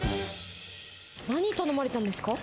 何頼まれたんですか？